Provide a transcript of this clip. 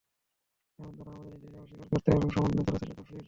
কারণ তারা আমার নিদর্শনকে অস্বীকার করত এবং এ সম্বন্ধে তারা ছিল গাফিল।